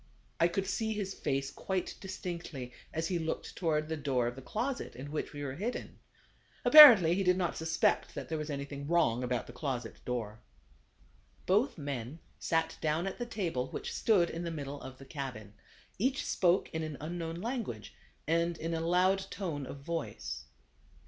I could see his face quite distinctly as he looked toward the door of the closet in which we were hidden. Apparently he did not suspect that there was anything wrong about the closet door. Both men sat down at the table, which stood in the middle of the cabin. Each spoke in an unknown language, and in a loud tone of voice.